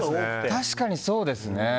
確かにそうですね。